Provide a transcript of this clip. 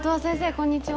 こんにちは